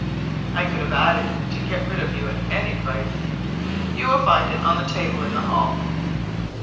(I could have added, to get rid of you at any price.) "You will find it on the table in the hall."